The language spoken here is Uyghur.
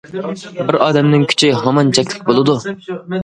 بىر ئادەمنىڭ كۈچى ھامان چەكلىك بولىدۇ.